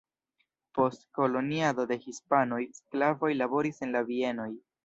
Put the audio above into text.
Post koloniado de hispanoj sklavoj laboris en la bienoj.